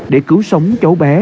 để cứu sống cháu bé